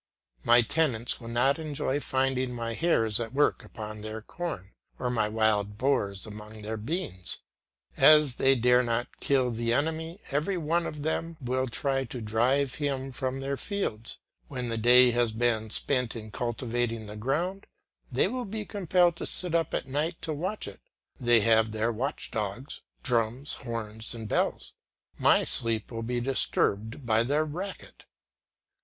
My tenants will not enjoy finding my hares at work upon their corn, or my wild boars among their beans. As they dare not kill the enemy, every one of them will try to drive him from their fields; when the day has been spent in cultivating the ground, they will be compelled to sit up at night to watch it; they will have watch dogs, drums, horns, and bells; my sleep will be disturbed by their racket.